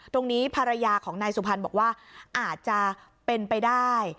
ตรงนี้ภรรยาของนายสุพรรณบอกว่าอาจจะเป็นไปได้